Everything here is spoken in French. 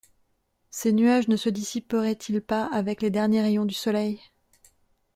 Ces nuages ne se dissiperaient-ils pas avec les derniers rayons du soleil !…